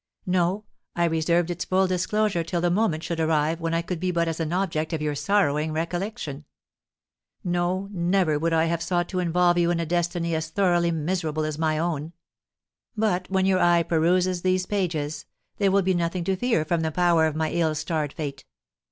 No, I reserved its full disclosure till the moment should arrive when I could be but as an object of your sorrowing recollection. No, never would I have sought to involve you in a destiny as thoroughly miserable as my own. But, when your eye peruses these pages, there will be nothing to fear from the power of my ill starred fate.